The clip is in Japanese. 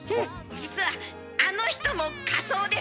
実はあの人も仮装です！